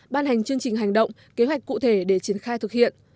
ban hành chương trình hành động kế hoạch cụ thể để triển khai thực hiện